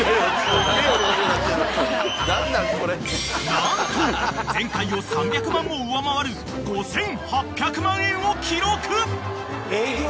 ［何と前回を３００万も上回る５，８００万円を記録］